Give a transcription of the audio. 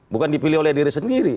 bukan dipilih oleh diri sendiri